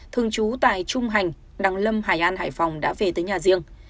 thương chú tài trung hành đăng lâm hải an hải phòng đã về tới nhà riêng